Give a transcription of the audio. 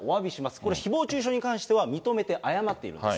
これ、ひぼう中傷に関しては認めて謝っているんです。